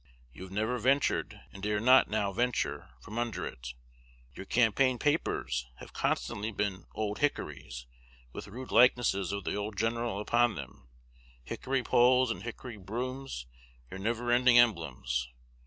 You have never ventured, and dare not now venture, from under it. Your campaign papers have constantly been 'Old Hickories,' with rude likenesses of the old general upon them; hickory poles and hickory brooms your never ending emblems.